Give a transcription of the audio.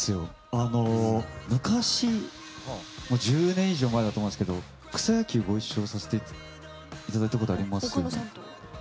昔、１０年以上前だと思うんですけど草野球ご一緒させていただいたことありましたよね。